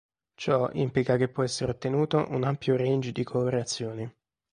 Ciò implica che può essere ottenuto un ampio range di colorazioni.